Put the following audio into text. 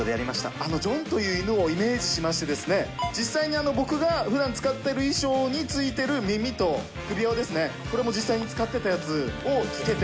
あのジョンという犬をイメージしましてですね、実際に僕がふだん使ってる衣装についてる耳と首輪を、これも実際に使ってたやつをつけて。